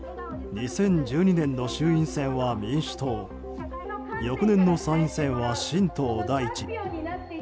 ２０１２年の衆院選は民主党翌年の参院選は新党大地